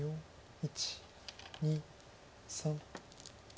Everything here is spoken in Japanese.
１２３。